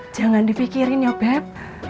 jangan dipikirin ya beb